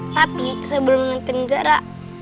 tapi sebelum anterin zara